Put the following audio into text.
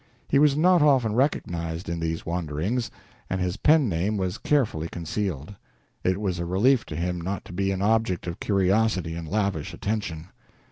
He was not often recognized in these wanderings, and his pen name was carefully concealed. It was a relief to him not to be an object of curiosity and lavish attention.